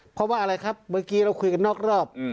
เพราะว่าอะไรครับเมื่อกี้เราคุยกันนอกรอบ